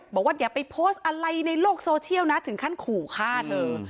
อย่าไปโพสต์อะไรในโลกโซเชียลนะถึงขั้นขู่ฆ่าเธอ